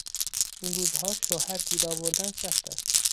این روزها شوهر گیر آوردن سخت است.